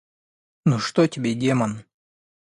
Ну что тебе Демон?